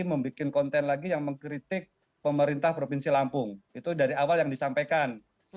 membuat konten lagi yang mengkritik pemerintah provinsi lampung itu dari awal yang disampaikan